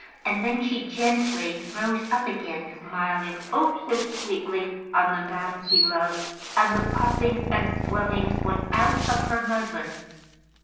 And then she gently rose up again, smiling, oh, so sweetly, on the man she loved, and the puffings and swellings went out of her muslin.